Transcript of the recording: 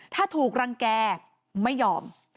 ถ้าถูกรังแก่ไม่ยอม